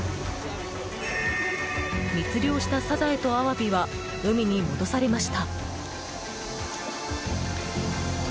密漁したサザエとアワビは海に戻されました。